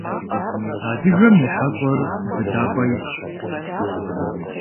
Адыгэм и хьэщӏэр быдапӏэ исщ.